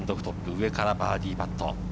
上からバーディーパット。